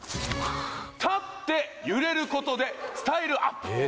立って揺れることでスタイルアップ！？